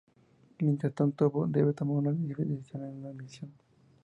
Mientras tanto, Bob debe tomar una difícil decisión en una misión.